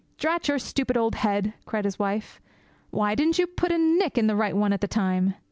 "Drat your stupid old head," cried his wife, "why didn't you put a nick on the right one at the time?"